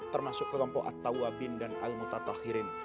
termasuk kelompok at tawabin dan al mutatakhirin